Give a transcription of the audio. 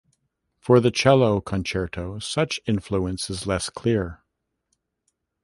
For the Cello Concerto such influence is less clear.